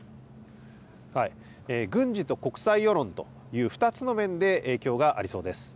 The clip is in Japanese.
軍事と国際世論という２つの面で影響がありそうです。